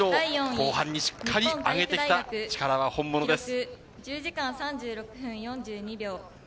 後半にしっかり上げてきた力は本物です。